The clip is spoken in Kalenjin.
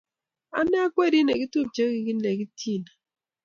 Ane ak werit nekitupche ko kikilekitchine